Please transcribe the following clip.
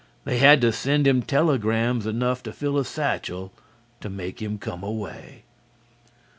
They had to send him telegrams enough to fill a satchel to make him come away.